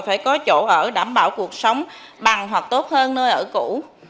phải có chỗ ở đảm bảo cuộc sống bằng hoặc tốt hơn nơi ở cũ